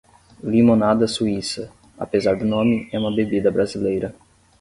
Limonada suíça, apesar do nome, é uma bebida brasileira.